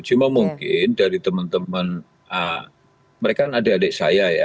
cuma mungkin dari teman teman mereka kan adik adik saya ya